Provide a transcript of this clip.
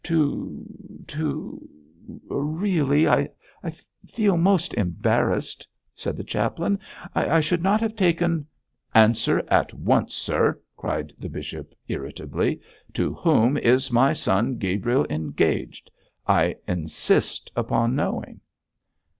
'To to really, I feel most embarrassed,' said the chaplain. 'I should not have taken ' 'Answer at once, sir,' cried Dr Pendle, irritably. 'To whom is my son Gabriel engaged? I insist upon knowing.'